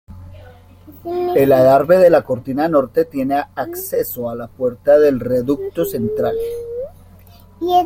El adarve de la cortina norte tiene acceso a la puerta del reducto central.